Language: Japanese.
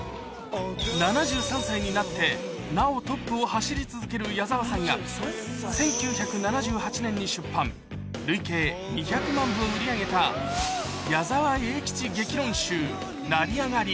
７３歳になって、なおトップを走り続ける矢沢さんが１９７８年に出版、累計２００万部売り上げた矢沢永吉激論集、成りあがり。